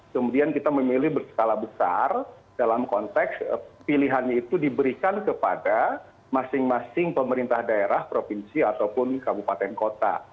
kemudian kita memilih berskala besar dalam konteks pilihannya itu diberikan kepada masing masing pemerintah daerah provinsi ataupun kabupaten kota